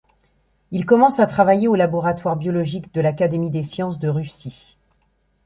Il commence à travailler au laboratoire biologique de l'Académie des sciences de Russie.